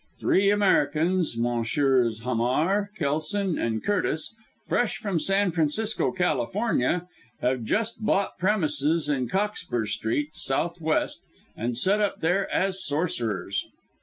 Three Americans, Messrs. Hamar, Kelson and Curtis, fresh from San Francisco, California, have just bought premises in Cockspur Street, S.W., and set up there as Sorcerers!